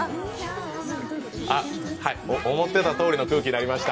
思ってたとおりの空気になりました。